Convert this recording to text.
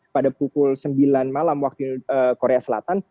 pada pukul sembilan malam waktu korea selatan